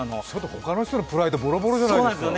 他の人のプライド、ボロボロじゃないですか。